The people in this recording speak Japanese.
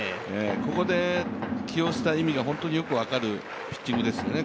ここで起用した意味が本当によく分かるピッチングですね。